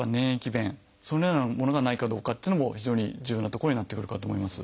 そのようなものがないかどうかというのも非常に重要なところになってくるかと思います。